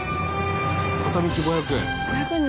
片道５００円１人？